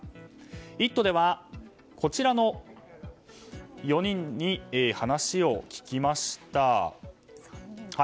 「イット！」ではこちらの４人に話を聞きました。